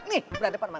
nih belah depan sama ma